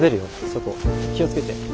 そこ気を付けて。